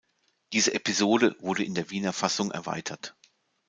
Diese Episode wurde in der Wiener Fassung erweitert.